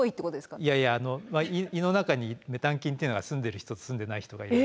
いやいや胃の中にメタン菌っていうのがすんでる人とすんでない人がいて。